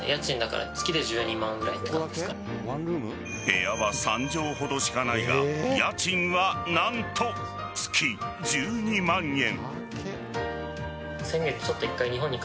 部屋は３畳ほどしかないが家賃は何と月１２万円。